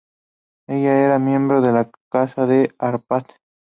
Ella era miembro de la Casa de Árpad.